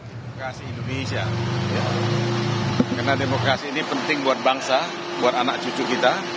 demokrasi indonesia karena demokrasi ini penting buat bangsa buat anak cucu kita